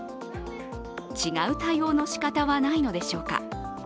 違う対応のしかたはないのでしょうか。